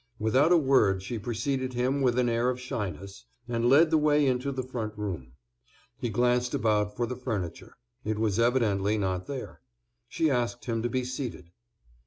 Without a word she preceded him with an air of shyness, and led the way into the front room. He glanced about for the furniture; it was evidently not there. She asked him to be seated.